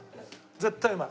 絶対うまい。